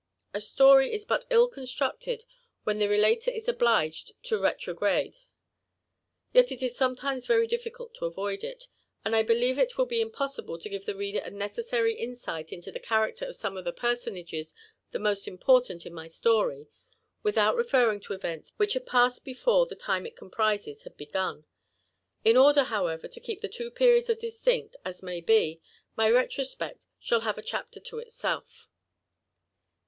A story is but ill constructed when the relator is <ri)liged to retro ' grade, yet it ie sometimes very difficult to avoid it ; and I believe it will be impossible to give the reader a necessary insight into th* efaaraeter of some of the personages the most important io my story, without referring to events which had passed before the time It com prises had begun. In order, however, to keep the two periods as distinct as nuiy be, my retrospect shall have a chapter to itself.